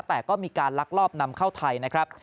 แต่ก็มีการลักลอบนำเข้าไทยนะครับ